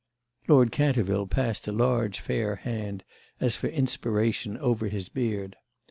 Lord Canterville passed a large fair hand, as for inspiration, over his beard.